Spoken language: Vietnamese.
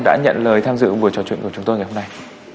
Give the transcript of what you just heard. đã nhận lời tham dự buổi trò chuyện của chúng tôi ngày hôm nay